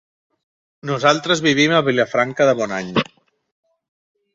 Nosaltres vivim a Vilafranca de Bonany.